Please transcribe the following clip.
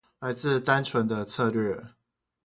來自單純的策略